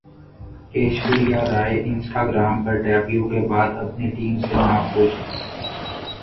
Aishwarya Rai Instagram پر debut کے بعد اپنی ٹیم سے ناخوش